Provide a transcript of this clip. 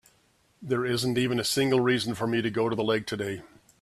There isn't even a single reason for me to go to the lake today.